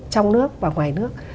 trong nước và ngoài nước